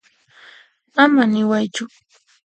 Ama niwaychu.